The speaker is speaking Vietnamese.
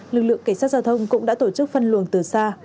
lực lượng cảnh sát giao thông cũng đã tổ chức phân luồng từ xa